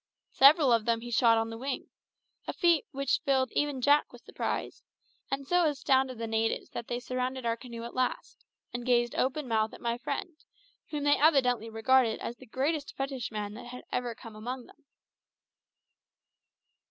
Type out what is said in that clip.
Several of them he shot on the wing a feat which even filled Jack with surprise, and so astounded the natives that they surrounded our canoe at last, and gazed open mouthed at my friend, whom they evidently regarded as the greatest fetishman that had ever come amongst them.